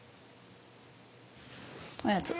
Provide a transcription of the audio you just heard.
おやつ。